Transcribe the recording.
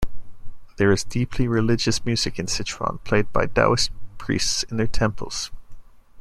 There is deeply religious music in Sichuan, played by Daoist priests in their temples.